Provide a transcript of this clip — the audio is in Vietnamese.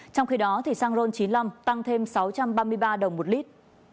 trong khi đó xăng ron chín mươi năm tăng thêm sáu trăm ba mươi ba đồng một lít